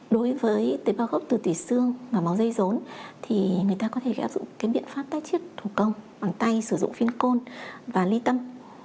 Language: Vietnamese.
đối với tế bảo gốc từ tùy xương và máu dây rốn thì người ta có thể áp dụng biện pháp tách chết thủ công bằng tay sử dụng phiên côn và ly tâm